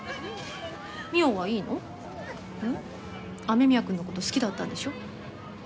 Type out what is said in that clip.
雨宮くんの事好きだったんでしょ？